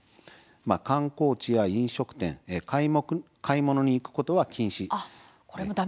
観光地や飲食店買い物に行くことは禁止。